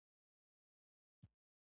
د ټولنپوهنې عملي ګټې ډېرې دي.